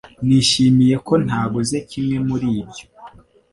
Nishimiye ko ntaguze kimwe muri ibyo